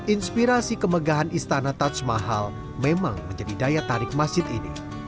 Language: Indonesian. inspirasi kemegahan istana tajs mahal memang menjadi daya tarik masjid ini